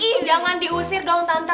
ih jangan diusir dong tante